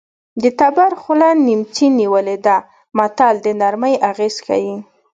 د تبر خوله نیمڅي نیولې ده متل د نرمۍ اغېز ښيي